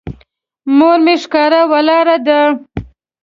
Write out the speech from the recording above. مور مې ښکاره ولاړه ده.